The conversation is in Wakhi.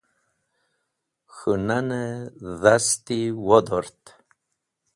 K̃hũnan-e dasti wodort.